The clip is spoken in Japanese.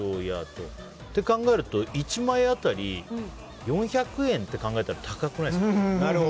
そう考えると１枚当たり４００円って考えたら高くないですか？